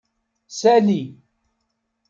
Sali.